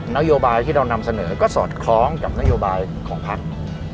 นโยบายที่เรานำเสนอก็สอดคล้องกับนโยบายของพัก